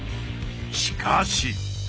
しかし！